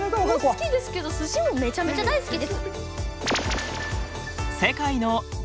好きですけどすしもめちゃめちゃ大好きです。